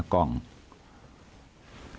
หนูต้องตั้งทีมให้ใครรับผิดชอบคดีนี้โดยเฉพาะเลยนะก้อง